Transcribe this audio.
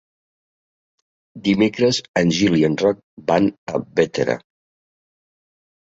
Dimecres en Gil i en Roc van a Bétera.